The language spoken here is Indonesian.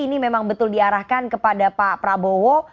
ini memang betul diarahkan kepada pak prabowo